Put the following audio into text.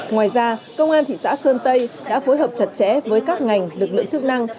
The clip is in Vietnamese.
ngoài ra công an thị xã sơn tây đã phối hợp chặt chẽ với các ngành lực lượng chức năng